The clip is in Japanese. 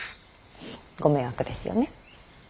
ご迷惑ですよね。